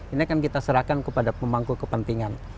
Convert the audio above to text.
ini akan kita serahkan kepada pemangku kepentingan